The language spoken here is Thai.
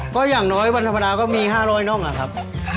ก็อย่างน้อยวันธรรมดาก็มี๕๐๐น่องอะครับ